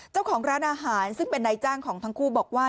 เจ้าของร้านอาหารซึ่งเป็นนายจ้างของทั้งคู่บอกว่า